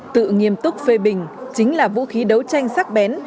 tự nghiêm túc phê bình chính là vũ khí đấu tranh sắc bén